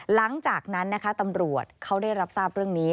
หลังจากนั้นนะคะตำรวจเขาได้รับทราบเรื่องนี้